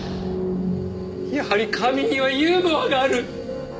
やはり神にはユーモアがある！